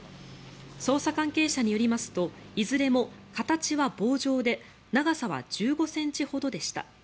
捜査関係者によりますといずれも形は棒状で長さは１５ｃｍほどでした。